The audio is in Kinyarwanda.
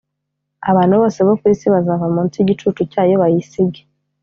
abantu bose bo ku isi bazava munsi y igicucu cyayo bayisige